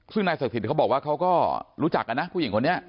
ซึ่งนายศักดิ์เขาบอกว่าเขาก็รู้จักกันนะผู้หญิงคนนี้